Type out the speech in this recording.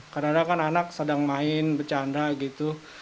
karena kan anak sedang main bercanda gitu